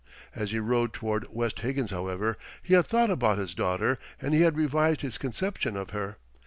As he rode toward West Higgins, however, he had thought about his daughter and he had revised his conception of her.